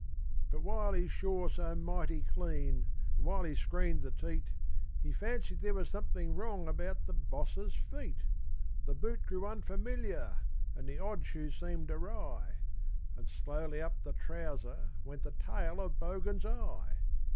But while he shore so mighty clean, and while he screened the teat, He fancied there was something wrong about the Boss's feet: The boot grew unfamiliar, and the odd shoe seemed awry, And slowly up the trouser went the tail of Bogan's eye.